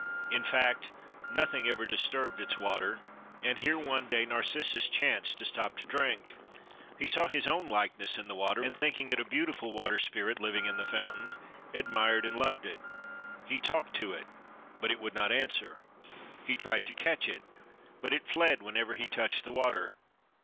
In fact, nothing ever disturbed its water, and here one day Narcissus chanced to stop to drink. He saw his own likeness in the water and, thinking it a beautiful water spirit living in the fountain, admired and loved it. He talked to it, but it would not answer; he tried to catch it, but it fled whenever he touched the water.